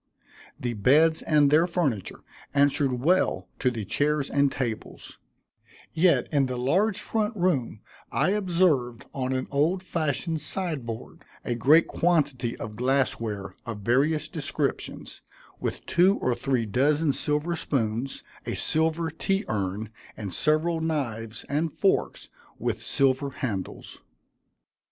The beds and their furniture answered well to the chairs and tables; yet in the large front room I observed on an old fashioned side board, a great quantity of glass ware, of various descriptions, with two or three dozen silver spoons, a silver tea urn, and several knives and forks with silver handles.